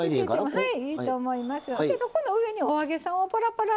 はい。